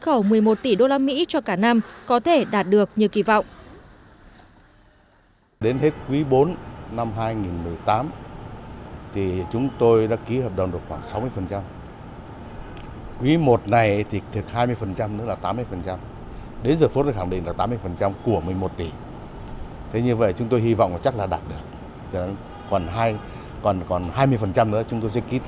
khẩu một mươi một tỷ đô la mỹ cho cả năm có thể đạt được như kỳ vọng